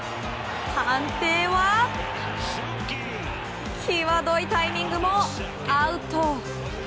判定は、際どいタイミングもアウト。